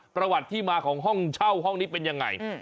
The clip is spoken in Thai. ประวัติที่มาของห้องเช่าห้องนี้เป็นยังไง